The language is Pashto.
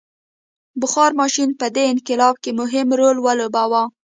بخار ماشین په دې انقلاب کې مهم رول ولوباوه.